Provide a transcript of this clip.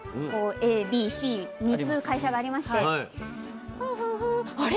ＡＢＣ３つ会社がありまして「あれ？